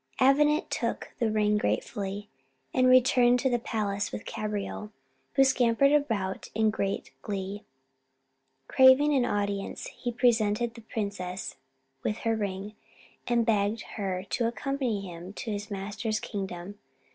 Avenant took the ring gratefully and returned to the palace with Cabriole, who scampered about in great glee. Craving an audience, he presented the princess with her ring, and begged her to accompany him to his master's kingdom.